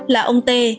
là ông t